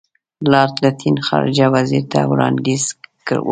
لارډ لیټن خارجه وزیر ته وړاندیز وکړ.